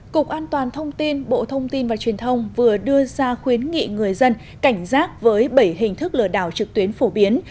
cục an toàn thông tin bộ thông tin và truyền thông vừa đưa ra khuyến nghị người dân cảnh giác với bảy hình thức lừa đảo trực tuyến phổ biến